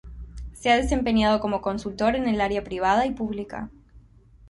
Se ha desempeñado como consultor en el área privada y pública.